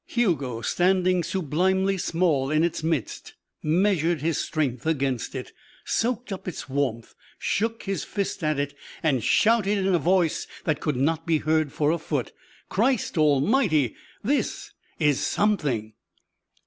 Hugo, standing sublimely small in its midst, measured his strength against it, soaked up its warmth, shook his fist at it, and shouted in a voice that could not be heard for a foot: "Christ Almighty! This is something!"